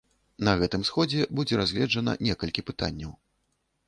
На гэтым сходзе будзе разгледжана некалькі пытанняў.